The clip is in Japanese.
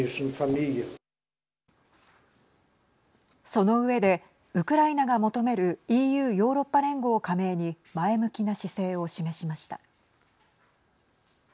その上で、ウクライナが求めるＥＵ＝ヨーロッパ連合加盟に前向きな姿勢を示しました。